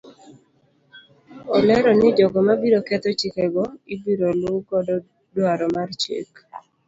Olero ni jogo mabiro ketho chikego ibiro luu godo dwaro mar chik.